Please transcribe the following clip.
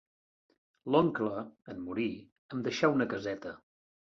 L'oncle, en morir, em deixà una caseta.